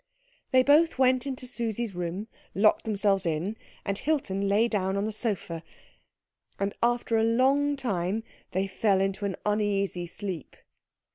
They both went into Susie's room, locked themselves in, and Hilton lay down on the sofa; and after a long time they fell into an uneasy sleep.